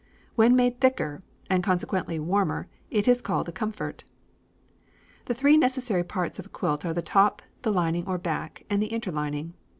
When made thicker, and consequently warmer, it is called a "comfort." The three necessary parts of a quilt are the top, the lining or back, and the interlining.